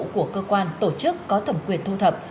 của cơ quan tổ chức có thẩm quyền thu thập